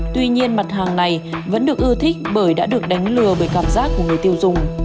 tuy nhiên mặt hàng này vẫn được ưa thích bởi đã được đánh lừa bởi cảm giác của người tiêu dùng